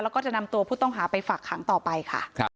แล้วก็จะนำตัวผู้ต้องหาไปฝากขังต่อไปค่ะ